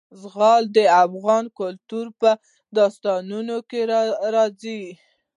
زغال د افغان کلتور په داستانونو کې راځي.